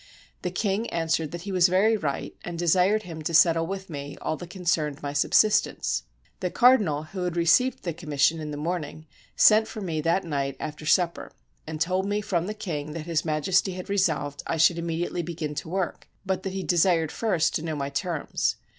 The king answered that he was very right, and desired him to settle with me all that concerned my subsistence. The cardinal, who had received the com mission in the morning, sent for me that night after sup per, and told me from the king that His Majesty had resolved I should immediately begin to work; but that he desired first to know my terms.